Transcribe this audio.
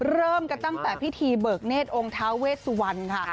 เริ่มกันตั้งแต่พิธีเบิกเนธองค์ท้าเวสวรรณค่ะ